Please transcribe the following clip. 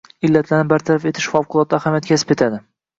– illatlarni bartaraf etish favqulodda ahamiyat kasb etadi.